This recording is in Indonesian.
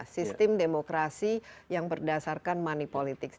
sistem demokrasi yang berdasarkan money politics